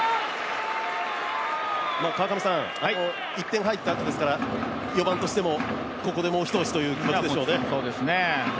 １点入ったあとですから４番としても、ここでもう一押しという気持ちでしょうね。